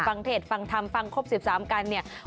ฟังเพจฟังธรรมฟังครบ๑๓กันเนี่ย